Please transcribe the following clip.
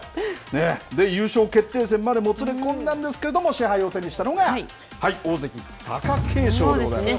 優勝決定戦までもつれ込んだんですけれども、賜杯を手にしたのが、大関・貴景勝でございました。